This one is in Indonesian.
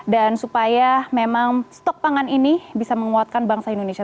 supaya memang stok pangan ini bisa menguatkan bangsa indonesia